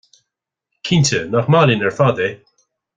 Cinnte, nach maith linn ar fad é?